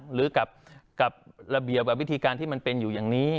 หรือกับระเบียบกับวิธีการที่มันเป็นอยู่อย่างนี้